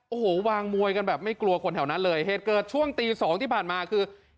โอ้โหวางมวยกันแบบไม่กลัวคนแถวนั้นเลยเหตุเกิดช่วงตีสองที่ผ่านมาคือ